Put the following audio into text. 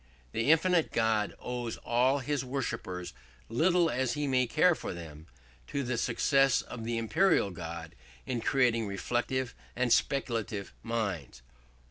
The infinite God owes all his worshippers, little as he may care for them, to the success of the imperial God in creating reflective and speculative minds.